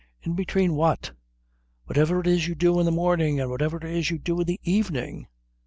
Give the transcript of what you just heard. "In between what?" "Whatever it is you do in the morning and whatever it is you do in the evening."